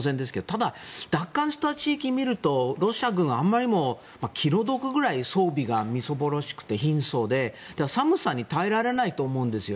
ただ、奪還した地域を見るとロシア軍はあまりにも気の毒なぐらい装備がみすぼらしくて貧相で、寒さに耐えられないと思うんです。